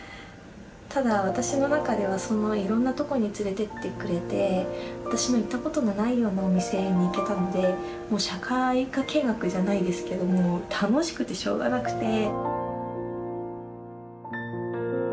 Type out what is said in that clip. ただ私の中ではいろんなとこに連れてってくれて私の行ったことのないようなお店に行けたので社会科見学じゃないですけどもう楽しくてしょうがなくて。